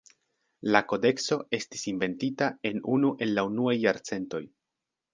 La kodekso estis inventita en unu el la unuaj jarcentoj.